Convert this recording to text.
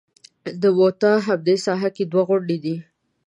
د موته همدې ساحه کې دوه غونډۍ دي.